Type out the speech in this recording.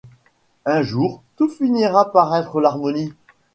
Un jour, tout finira par être l'harmonie ;